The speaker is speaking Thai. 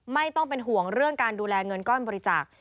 ไม่ต้องเป็นห่วงเรื่องการดูแลเงินก้อนบริจาค